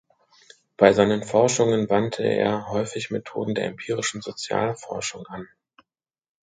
Bei seinen Forschungen wandte er häufig Methoden der empirischen Sozialforschung an.